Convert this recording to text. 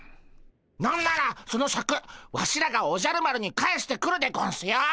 何ならそのシャクワシらがおじゃる丸に返してくるでゴンスよ。